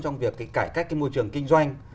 trong việc thì cải cách cái môi trường kinh doanh